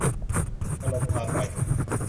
อารมณ์พาไป